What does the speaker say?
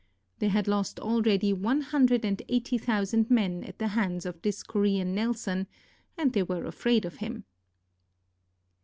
They had lost already one hundred and eighty thousand men at the hands of this Korean Nelson, and they were afraid of him.